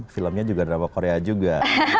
filmnya juga drama korea juga